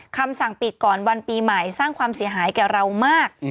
คำสั่งปิดก่อนวันปีใหม่สร้างความเสียหายแก่เรามาก